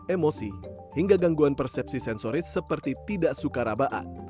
emosi hingga gangguan persepsi sensoris seperti tidak suka rabaat